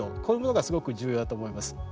こういうものがすごく重要だと思います。